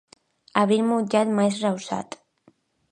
Abril mullat, maig ruixat.